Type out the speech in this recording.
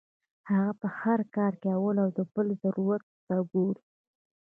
هغه پۀ هر کار کې اول د بل ضرورت ته ګوري -